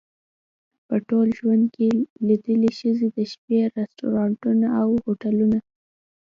په ټول ژوند کې لیدلې ښځې د شپې رستورانتونه او هوټلونه.